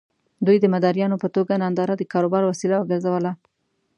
دوی د مداريانو په توګه ننداره د کاروبار وسيله وګرځوله.